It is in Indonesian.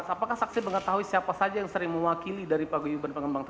apakah saksi mengetahui siapa saja yang sering mewakili dari paguyuban pengembang